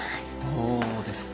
どうですか？